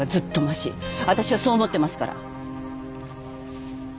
わたしはそう思ってますから。